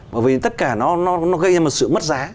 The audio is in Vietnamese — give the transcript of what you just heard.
bởi vì tất cả nó gây ra một sự mất giá